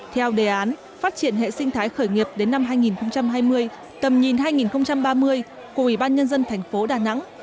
theo đề án phát triển hệ sinh thái khởi nghiệp đến năm hai nghìn hai mươi tầm nhìn hai nghìn ba mươi của ủy ban nhân dân thành phố đà nẵng